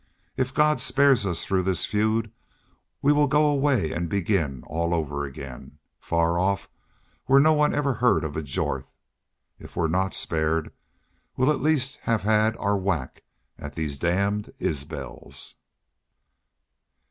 If God spares us through this feud we will go away and begin all over again, far off where no one ever heard of a Jorth.... If we're not spared we'll at least have had our whack at these damned Isbels."